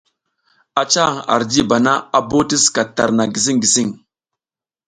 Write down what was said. A ca hang ar jiba na, a bo ti skat tarna gising gising.